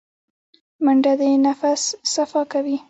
منډه د نفس صفا کوي